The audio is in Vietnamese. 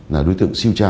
là đối tượng siêu tra